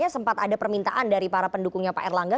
sempat ada permintaan dari para pendukungnya pak erlangga